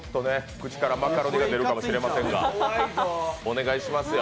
口からマカロニが出るかもしれませんが、お願いしますよ。